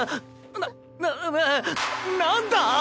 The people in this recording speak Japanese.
ななななんだ